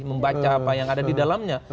membaca apa yang ada di dalamnya